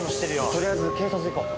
とりあえず警察行こう。